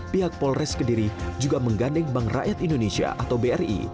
pihak polres kediri juga menggandeng bank rakyat indonesia atau bri